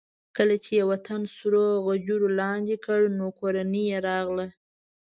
کله چې یې وطن سرو غجرو لاندې کړ نو کورنۍ یې راغله.